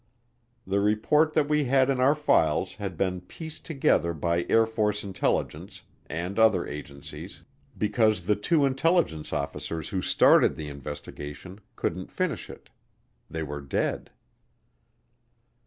The report that we had in our files had been pieced together by Air Force Intelligence and other agencies because the two intelligence officers who started the investigation couldn't finish it. They were dead.